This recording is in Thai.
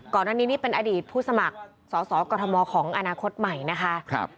ก่อนหน้านี้นี่เป็นอดีตผู้สมัครสอสอกรทมของอนาคตใหม่นะคะ